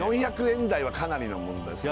４００円台はかなりのもんです